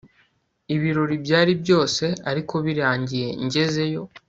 Ibirori byari byose ariko birangiye ngezeyo